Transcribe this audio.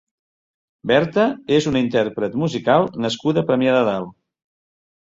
Berta és una intérpret musical nascuda a Premià de Dalt.